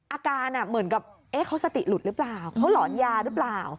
อาการเหมือนกับเขาสติหลุดหรือเปล่าเขาหลอนยาหรือเปล่า